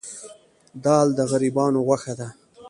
دال د غریبانو غوښه ده.